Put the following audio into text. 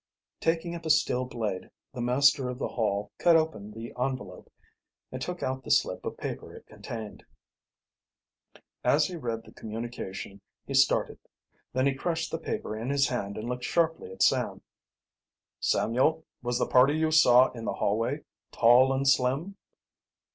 Taking up a steel blade, the master of the Hall cut open the envelope and took out the slip of paper it contained. As he read the communication he started. Then he crushed the paper in his hand and looked sharply at Sam. "Samuel, was the party you saw in the hall way tall and slim?"